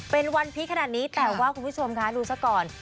เป็นวันพีคขนาดนี้แต่ว่าคุณผู้ชมคะดูซะก่อน